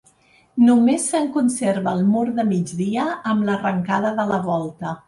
Només se'n conserva el mur de migdia, amb l'arrencada de la volta.